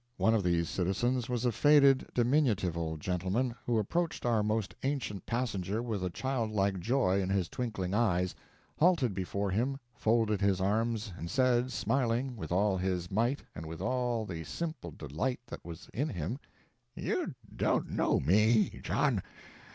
One of these citizens was a faded, diminutive old gentleman, who approached our most ancient passenger with a childlike joy in his twinkling eyes, halted before him, folded his arms, and said, smiling with all his might and with all the simple delight that was in him, "You don't know me, John!